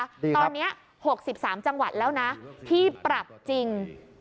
ตอนนี้๖๓จังหวัดแล้วนะที่ปรับจริง